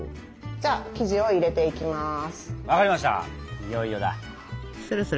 じゃあ生地を入れていきます。